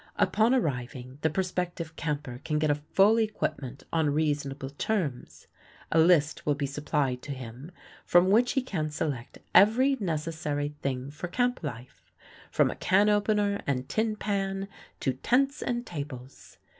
Upon arriving, the prospective camper can get a full equipment on reasonable terms. A list will be supplied to him, from which he can select every necessary thing for camp life from a can opener and tin pan to tents and tables.